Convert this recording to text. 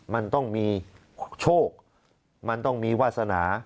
มันต้องมีโชคมันต้องมีวาสนา